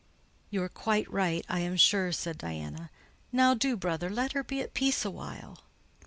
"You are quite right, I am sure," said Diana. "Now do, brother, let her be at peace a while."